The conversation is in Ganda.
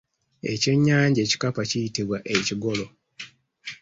Ekyennyanja ekikapa kiyitibwa ekigolo.